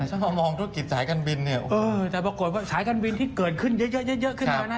จะมามองธุรกิจสายการบินปรากฎว่าสายการบินที่เกิดขึ้นเยอะ